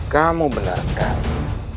kamu benar sekali